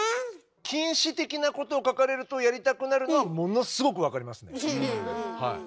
禁止的なことを書かれるとやりたくなるのはものすごく分かりますねはい。